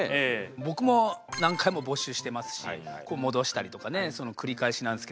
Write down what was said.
僕も何回も没収してますし戻したりとかその繰り返しなんですけど。